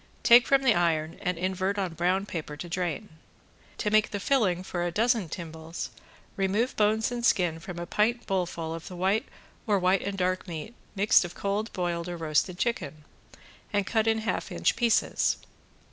Take from the iron and invert on brown paper to drain. To make the filling for a dozen timbales, remove bones and skin from a pint bowlful of the white or white and dark meat mixed of cold boiled or roasted chicken, and cut in half inch pieces.